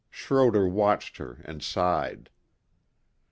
Schroder watched her and sighed.